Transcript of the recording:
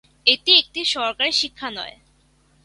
এটি একটি সরকারি শিক্ষালয়।